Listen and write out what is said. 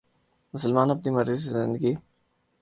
مسلمان اپنی مرضی سے زندگی